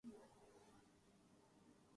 میری زندگی کا سب سے سیاہ دن آیا